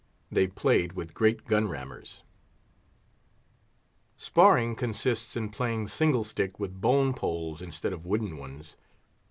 They played with great gun rammers. Sparring consists in playing single stick with bone poles instead of wooden ones.